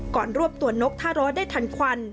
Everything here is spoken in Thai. รวบตัวนกท่าร้อได้ทันควัน